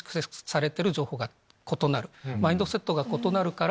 マインドセットが異なるから。